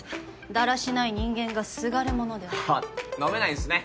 だらしない人間がすがるものであり飲めないんすね